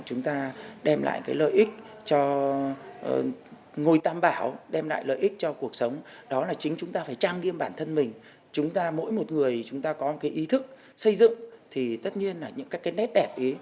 chúng ta mỗi một người chúng ta có cái ý thức xây dựng thì tất nhiên là những cái nét đẹp ấy